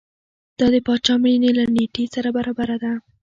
دا د پاچا مړینې له نېټې سره برابره ده.